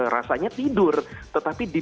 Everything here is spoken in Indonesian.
rasanya tidur tetapi di